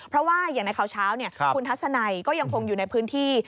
เพราะว่าอย่างในข่าวเช้าคุณทัศนัยก็ยังคงอยู่ในพื้นที่